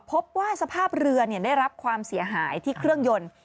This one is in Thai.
พบว่าสภาพเรือได้รับความเสียหายที่เครื่องยนต์